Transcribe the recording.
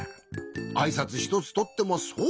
あいさつひとつとってもそう。